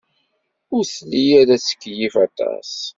Ur telli ara tettkeyyif aṭas.